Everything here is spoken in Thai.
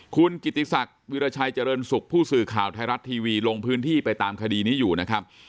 คุณกิติศักดิ์วิราชัยเจริญสุขผู้สื่อข่าวไทยรัฐทีวีลงพื้นที่ไปตามคดีนี้อยู่นะครับ